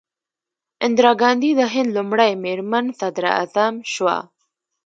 اندرا ګاندي د هند لومړۍ میرمن صدراعظم شوه.